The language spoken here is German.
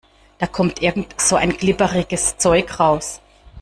Da kommt irgend so ein glibberiges Zeug raus.